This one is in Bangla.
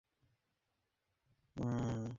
তুমি আমাদের বান্ধবী।